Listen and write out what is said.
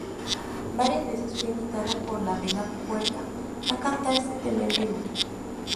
Varias veces fue invitado por La Vela Puerca a cantar este tema en vivo.